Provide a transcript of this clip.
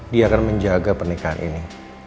dia akan menjaga pernikahan ini